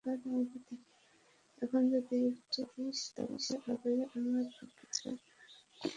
এখন যদি একটু ছেড়ে দিস তবে আমার কিছু গুমার্কা কাজ করা বাকি।